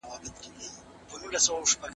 زه به اوږده موده د زده کړو تمرين کړی وم!